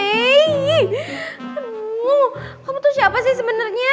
aduh kamu tuh siapa sih sebenernya